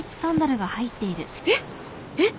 えっえっ！？